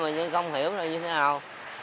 mà không hiểu nữa như thế nào